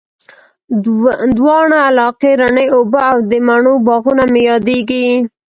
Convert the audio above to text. د واڼه علاقې رڼې اوبه او د مڼو باغونه مي ياديږي